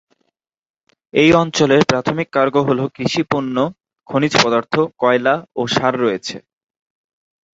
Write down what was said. এই অঞ্চলের প্রাথমিক কার্গো হল কৃষি পণ্য, খনিজ পদার্থ, কয়লা ও সার রয়েছে।